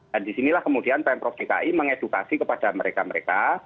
dan disinilah kemudian pm prof dki mengedukasi kepada mereka mereka